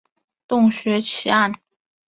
洞穴奇案。